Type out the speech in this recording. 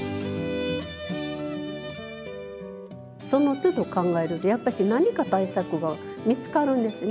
そのつど考えるんでやっぱし何か対策が見つかるんですね。